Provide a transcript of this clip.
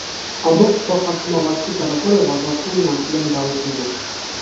Ամբողջ փոխանցումավազքի ճանապարհը վազորդներն անցել են դահուկներով։